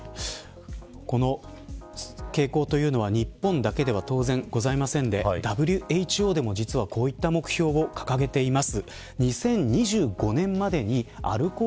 この傾向というのは日本だけでは当然、ございませんでＷＨＯでも、実はこういった目標を掲げています。